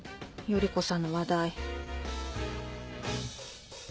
依子さんの話題。